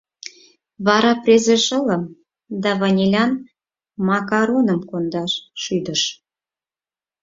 Вара презе шылым да ванилян макароным кондаш шӱдыш.